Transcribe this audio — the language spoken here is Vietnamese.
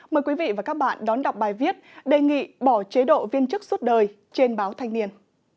mời quý vị và các bạn đón đọc bài viết đề nghị bỏ chế độ viên chức suốt đời trên báo thanh niên